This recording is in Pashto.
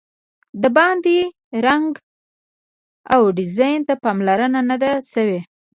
د باندې رنګ او ډیزاین ته پاملرنه نه ده شوې.